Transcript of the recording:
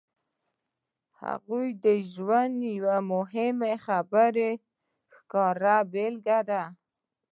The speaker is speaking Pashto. د هغې ژوند د یوې مهمې خبرې ښکاره بېلګه ده